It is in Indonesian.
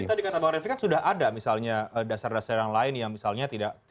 tapi tadi kata bang refli kan sudah ada misalnya dasar dasar yang lain yang misalnya tidak